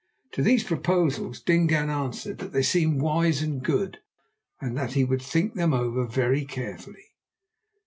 To these proposals Dingaan answered that "they seemed wise and good, and that he would think them over very carefully."